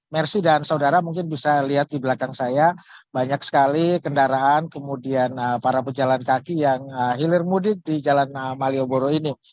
mercy dan saudara mungkin bisa lihat di belakang saya banyak sekali kendaraan kemudian para pejalan kaki yang hilir mudik di jalan malioboro ini